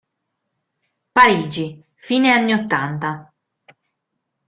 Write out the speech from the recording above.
Parigi, fine anni ottanta.